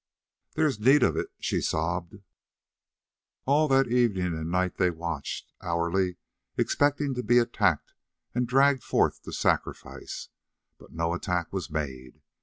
"There is need of it," she sobbed. All that evening and night they watched, hourly expecting to be attacked and dragged forth to sacrifice, but no attack was made.